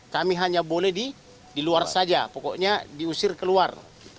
kami hanya boleh di luar saja pokoknya diusir keluar